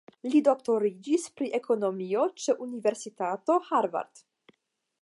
Li doktoriĝis pri ekonomio ĉe Universitato Harvard.